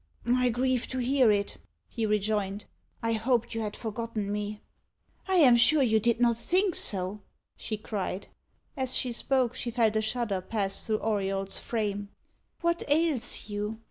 "I grieve to hear it," he rejoined. "I hoped you had forgotten me." "I am sure you did not think so," she cried. As she spoke, she felt a shudder pass through Auriol's frame. "What ails you?"